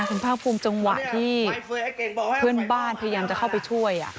คุณภาคภูมิจังหวะที่เพื่อนบ้านพยายามจะเข้าไปช่วย